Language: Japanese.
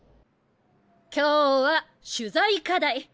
今日は取材課題。